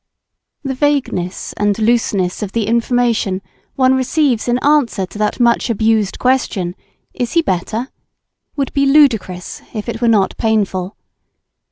The vagueness and looseness of the information one receives in answer to that much abused question, "Is he better?" would be ludicrous, if it were not painful.